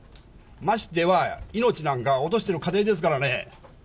ましては、命なんか落としてる家庭ですからね。